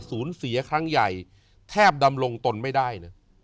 ศูนย์เสียครั้งใหญ่แทบดำรงตนไม่ได้นะ